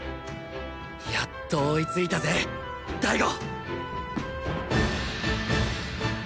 やっと追いついたぜ大吾。